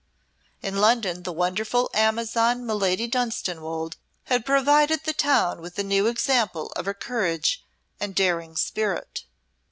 In London the wonderful Amazon Milady Dunstanwolde had provided the town with a new example of her courage and daring spirit.